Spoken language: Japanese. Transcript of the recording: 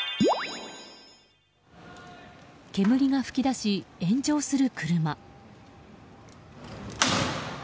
煙が噴き出し、炎上する車。